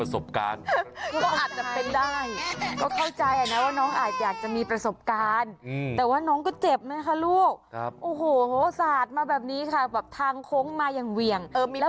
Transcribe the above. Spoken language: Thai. สาดมาจากทางโค้งเล่นเอาสะควันขโมงแหละ